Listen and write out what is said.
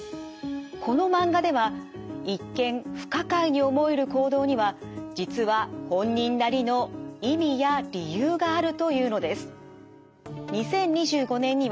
このマンガでは一見不可解に思える行動には実は本人なりの意味や理由があるというのです。